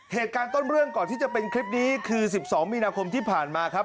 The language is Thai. เหตุการณ์ต้นเรื่องก่อนที่จะเป็นคลิปนี้คือ๑๒มีนาคมที่ผ่านมาครับ